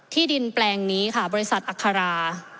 ที่ดินแปลงนี้ค่ะบริษัทอัครา